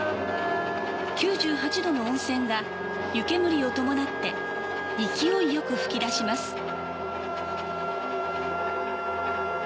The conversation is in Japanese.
９８℃の温泉が湯煙をともなって勢いよく噴き出します。